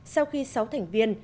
sau khi sáu thành viên